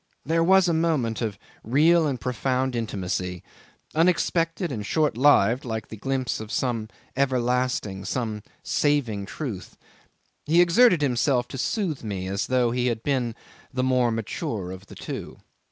There was a moment of real and profound intimacy, unexpected and short lived like a glimpse of some everlasting, of some saving truth. He exerted himself to soothe me as though he had been the more mature of the two.